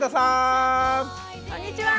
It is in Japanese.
こんにちは！